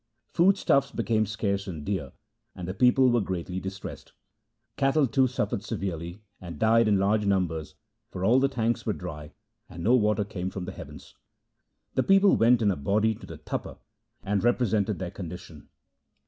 Food stuffs became scarce and dear, and the people were greatly distressed. Cattle too suffered severely, and died in large numbers, for all the tanks were dry and no water came from heaven. The people went in a body to the Tapa and represented their condition.